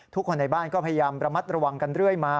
ทุกคนในบ้านก็พยายามระมัดระวังกันเรื่อยมา